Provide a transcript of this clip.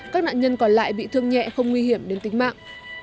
các nạn nhân còn lại bị thương nhẹ không nguy hiểm đến tính mạng